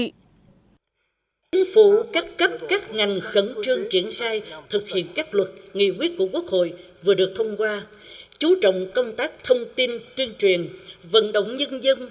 chính phủ các cấp các ngành khẩn trương triển khai thực hiện các luật nghị quyết của quốc hội vừa được thông qua chú trọng công tác thông tin tuyên truyền vận động nhân dân